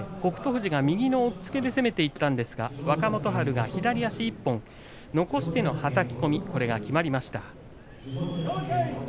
富士が右の押っつけで攻めていったんですが若元春が左足１本を残してのはたき込みこれは決まりました。